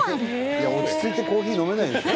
いや落ち着いてコーヒー飲めないでしょ。